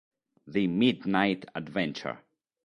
The Midnight Adventure